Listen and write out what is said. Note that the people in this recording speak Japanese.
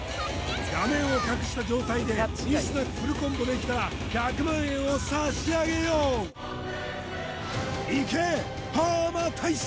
画面を隠した状態でミスなくフルコンボできたら１００万円を差し上げよういけパーマ大佐！